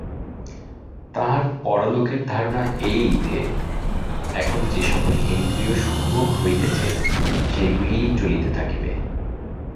তাহার পরলোকের ধারণা এই যে, এখন যে-সকল ইন্দ্রিয়সুখভোগ হইতেছে, সেইগুলিই চলিতে থাকিবে।